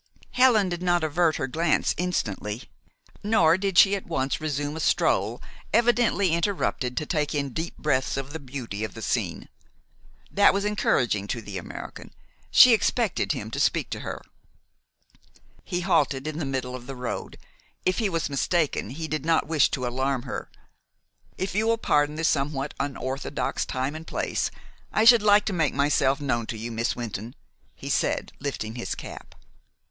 Helen did not avert her glance instantly. Nor did she at once resume a stroll evidently interrupted to take in deep breaths of the beauty of the scene. That was encouraging to the American, she expected him to speak to her. He halted in the middle of the road. If he was mistaken, he did not wish to alarm her. "If you will pardon the somewhat unorthodox time and place, I should like to make myself known to you, Miss Wynton," he said, lifting his cap.